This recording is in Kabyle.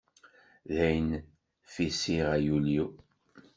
Dayen fisiɣ ay ul-iw.